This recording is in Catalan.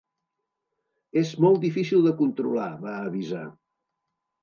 És molt difícil de controlar, va avisar.